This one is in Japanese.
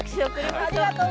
はいありがとう。